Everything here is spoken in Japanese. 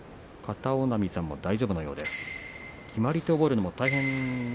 片男波さんも大丈夫なようです。